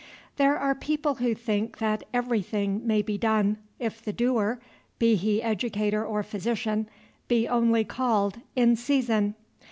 There are people who think that everything may be done, if the doer, be he educator or physician, be only called "in season."